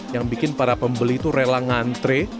yang bikin para pembeli itu rela ngantre